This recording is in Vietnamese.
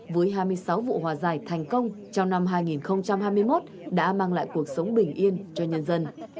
với hai mươi sáu vụ hòa giải thành công trong năm hai nghìn hai mươi một đã mang lại cuộc sống bình yên cho nhân dân